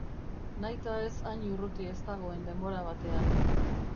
Nahitaez hain urruti ez dagoen denbora batean.